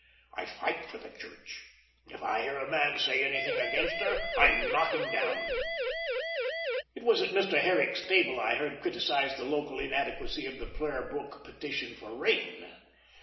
I fight for the Church. If I hear a man say anything against her, I knock him down." It was at Mr. Herrick's table I heard criticised the local inadequacy of the prayer book petition for rain.